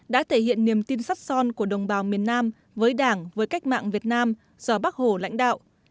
đã thể hiện niềm tin sắt son của đồng bào miền nam với đảng với cách mạng việt nam do bắc hồ lãnh đạo